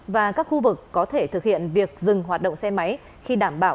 và các khu vực có thể thực hiện việc dừng hoạt động xe máy khi đảm bảo